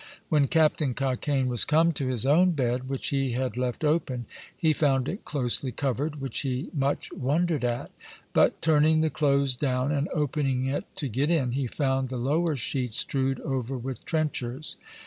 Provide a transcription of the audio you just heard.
When Captain Cockaine was come to his own bed, which he had left open, he found it closely covered, which he much wondered at; but turning the clothes down, and opening it to get in, he found the lower sheet strewed over with trenchers.